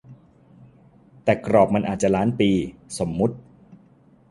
แต่กรอบมันอาจจะล้านปี สมมติ